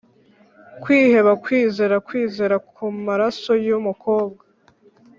kwiheba kwizera kwizera kumaraso yumukobwa,